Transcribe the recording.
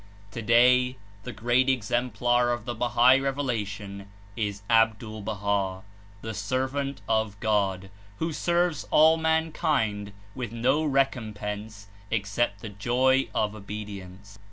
Today the great exemplar of the Bahal Revelation is Abdul Baha', the Servant of God, who serves all mankind with no recompense except the joy of obedi ence.